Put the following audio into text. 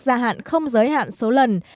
gia hạn không giới hạn số lần